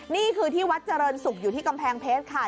นี่คือที่วัดเจริญศุกร์อยู่ที่กำแพงเพชรค่ะ